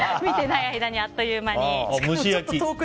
見てない間にあっという間に。